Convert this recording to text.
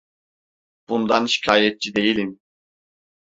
Bundan şikâyetçi değilim.